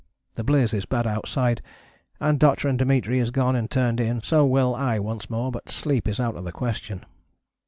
The bliz is bad outside, and Doctor and Dimitri is gone and turned in, so will [I] once more, but sleep is out of the question.